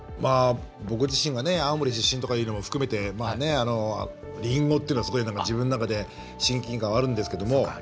僕自身が青森出身というのも含めてリンゴというのは自分の中で親近感があるんですけど。